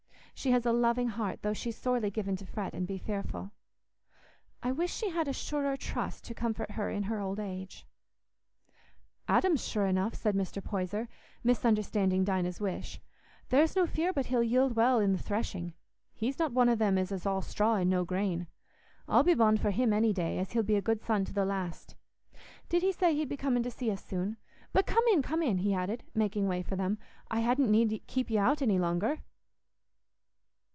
She has a loving heart, though she's sorely given to fret and be fearful. I wish she had a surer trust to comfort her in her old age." "Adam's sure enough," said Mr. Poyser, misunderstanding Dinah's wish. "There's no fear but he'll yield well i' the threshing. He's not one o' them as is all straw and no grain. I'll be bond for him any day, as he'll be a good son to the last. Did he say he'd be coming to see us soon? But come in, come in," he added, making way for them; "I hadn't need keep y' out any longer."